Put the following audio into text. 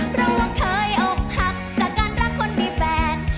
เพราะว่าเคยอกหักจากการรักคนมีแฟน